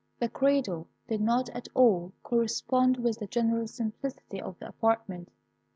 The cradle did not at all correspond with the general simplicity of the apartment.